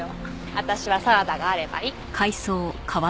私はサラダがあればいい。